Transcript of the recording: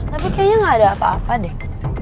tapi kayaknya gak ada apa apa deh